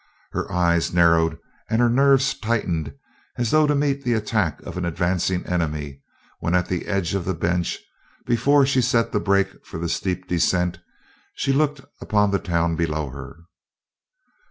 Her eyes narrowed and her nerves tightened as though to meet the attack of an advancing enemy when at the edge of the bench, before she set the brake for the steep descent, she looked upon the town below her.